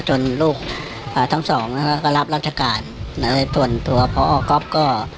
ลูกอ่าทั้งสองนะคะก็รับราชการส่วนตัวพอก๊อฟก็